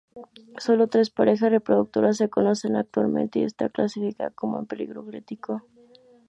Sólo tres parejas reproductoras se conocen actualmente y está clasificada como en peligro crítico.